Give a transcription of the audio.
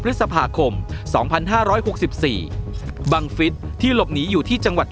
พฤษภาคมสองพันห้าร้อยหกสิบสี่บังฟิศที่หลบหนีอยู่ที่จังหวัด